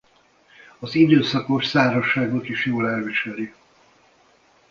Az időszakos szárazságot is jól elviseli.